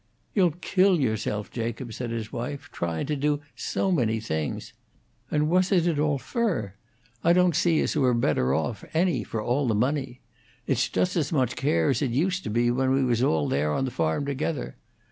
"You'll kill yourself, Jacob," said his wife, "tryin' to do so many things. And what is it all fur? I don't see as we're better off, any, for all the money. It's just as much care as it used to be when we was all there on the farm together.